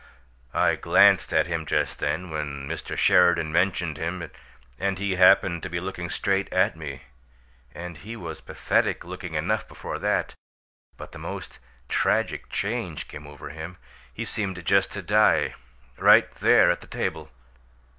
I glanced at him just then, when Mr. Sheridan mentioned him, and he happened to be looking straight at me; and he was pathetic looking enough before that, but the most tragic change came over him. He seemed just to die, right there at the table!"